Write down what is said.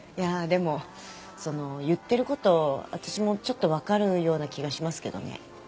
でもそのう言ってること私もちょっと分かるような気がしますけどね。